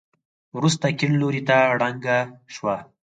وروسته کيڼ لورته ړنګه شوه.